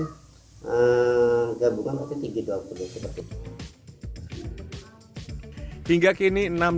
sehingga dalam perencanaan batik yang akan dibawa ke kttg dua puluh itu ada beberapa motif memang yang saya siapkan